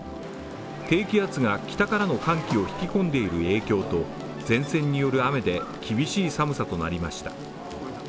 低気圧が北からの寒気を引き込んでいる影響と前線による雨で厳しい寒さとなりました。